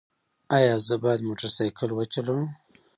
ایا زه باید موټر سایکل وچلوم؟